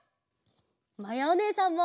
まやおねえさんも！